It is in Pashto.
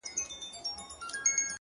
پوره اته دانې سمعان ويلي كړل’